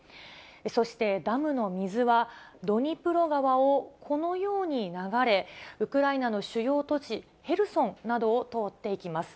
そして、ダムの水は、ドニプロ川をこのように流れ、ウクライナの主要都市、ヘルソンなどを通っていきます。